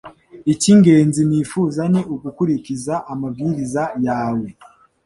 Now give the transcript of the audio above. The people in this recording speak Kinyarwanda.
Icy’ingenzi nifuza ni ugukurikiza amabwiriza yawe